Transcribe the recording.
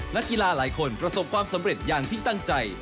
นักกีฬาหลายคนประสบความสำเร็จอย่างที่ตั้งใจ